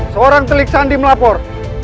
seorang telik sandi melapor